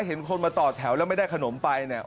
เห็นคนมาต่อแถวแล้วไม่ได้ขนมไปเนี่ย